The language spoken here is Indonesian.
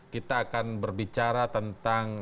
kita akan berbicara tentang